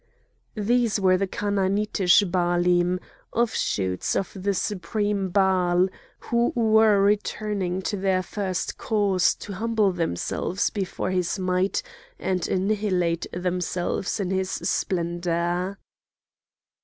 These were the Chanaanitish Baalim, offshoots of the supreme Baal, who were returning to their first cause to humble themselves before his might and annihilate themselves in his splendour.